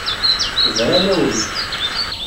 Bran-awen.